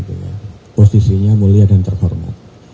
posisinya mulia dan terhormat